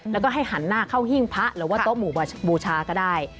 แล้วก็ให้หันหน้าเข้าหิ้งพระหรือว่าโต๊ะหมู่บูชาก็ได้